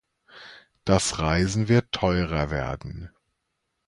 Das Reisen wird teuerer werden.